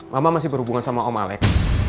mama masih berhubungan sama om alex